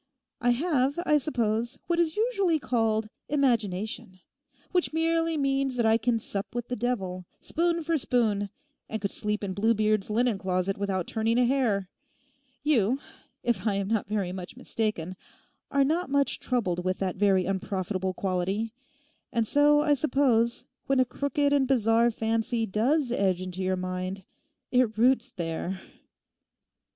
I have, I suppose, what is usually called imagination; which merely means that I can sup with the devil, spoon for spoon, and could sleep in Bluebeard's linen closet without turning a hair. You, if I am not very much mistaken, are not much troubled with that very unprofitable quality, and so, I suppose, when a crooked and bizarre fancy does edge into your mind it roots there.